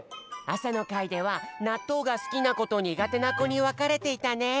あさのかいではなっとうがすきなことにがてなこにわかれていたね。